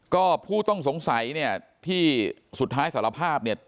ก็ผู้ต้องสงสัยเนี่ยที่สุดท้ายสารภาพเนี่ย